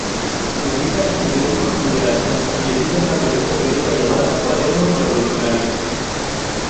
Publica el periódico "Liberación" y edita una revista teórica llamada "Cuadernos Revolucionarios".